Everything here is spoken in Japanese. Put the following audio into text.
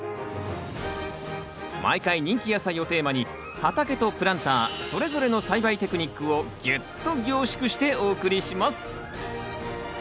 毎回人気野菜をテーマに畑とプランターそれぞれの栽培テクニックをギュッと凝縮してお送りします。